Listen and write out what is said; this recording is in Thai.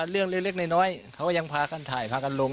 เรื่องเล็กหน่อยเขายังพาการถ่ายพาการลง